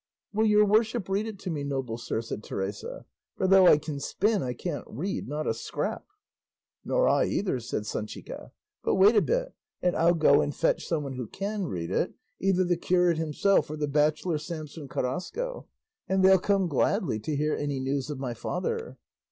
"Will your worship read it to me, noble sir?" said Teresa; "for though I can spin I can't read, not a scrap." "Nor I either," said Sanchica; "but wait a bit, and I'll go and fetch some one who can read it, either the curate himself or the bachelor Samson Carrasco, and they'll come gladly to hear any news of my father."